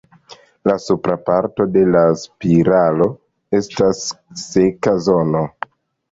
La supra parto de la spiralo estas seka zono.